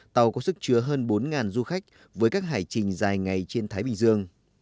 tàu có sức chứa hơn bốn du khách với các hải trình dài ngày trên thái bình dương